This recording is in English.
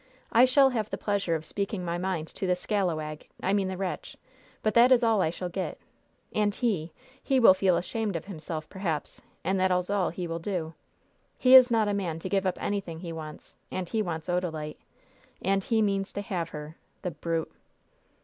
I shall have the pleasure of speaking my mind to the scalawag I mean the wretch but that is all I shall get; and he, he will feel ashamed of himself, perhaps, and that is all he will do. He is not a man to give up anything he wants; and he wants Odalite, and he means to have her the brute!"